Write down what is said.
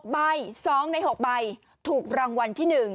ใบ๒ใน๖ใบถูกรางวัลที่๑